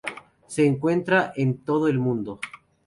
Se encuentra en todo el mundo.